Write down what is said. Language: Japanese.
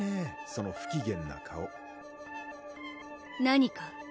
その不機嫌な顔何か？